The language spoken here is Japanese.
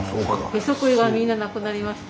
へそくりがみんな無くなりました。